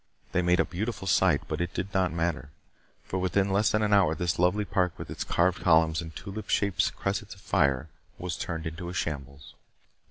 They made a beautiful sight, but it did not matter. For within less than an hour this lovely park with its carved columns and tulip shaped cressets of fire was turned into a shambles.